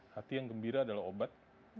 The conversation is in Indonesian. hati yang gembira adalah obat